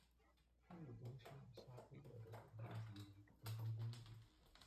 穆东上沙佩勒的总面积为平方公里。